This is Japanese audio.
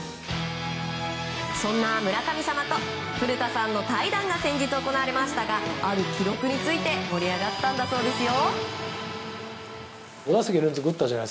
そんな村神様と古田さんの対談が先日行われましたがある記録について盛り上がったんだそうですよ。